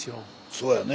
そうやね。